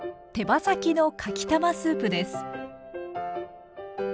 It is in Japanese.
手羽先のかきたまスープです。